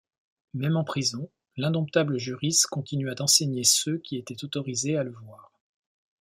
Même en prison, l'indomptable juriste continua d'enseigner ceux qui étaient autorisés à le voir.